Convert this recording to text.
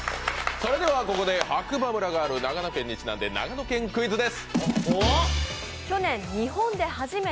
それではここで白馬村がある長野県にちなんで長野県クイズです。